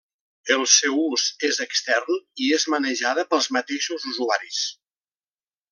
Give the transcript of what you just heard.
El seu ús és extern i és manejada pels mateixos usuaris.